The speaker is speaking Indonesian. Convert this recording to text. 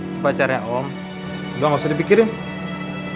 itu pacarnya om udah nggak usah dipikirin